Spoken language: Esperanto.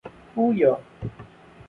ujo